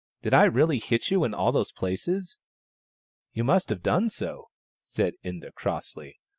Did I really hit you in all those places ?"" You must have done so," said Inda, crossly.